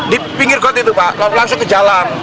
di pinggir got itu pak langsung ke jalan